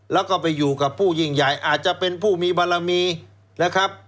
แล้วก็ไปอยู่กับผู้ยิ่งใหญ่อาจจะเป็นผู้มีบารมีนะครับ